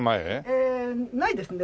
ええないですね。